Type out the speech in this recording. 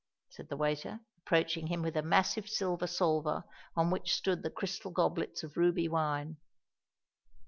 said the waiter, approaching him with a massive silver salver on which stood the crystal goblets of ruby wine.